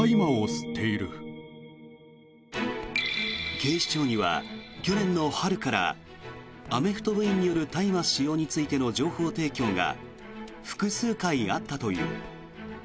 警視庁には去年の春からアメフト部員による大麻使用についての情報提供が複数回あったという。